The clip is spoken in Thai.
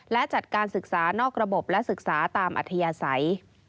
และจัดการศึกษานอกระบบและศึกษาตามอัธยาศัย